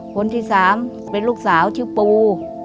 คนที่สามเป็นลูกสาวชื่อปู